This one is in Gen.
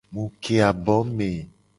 Mu ke abo me.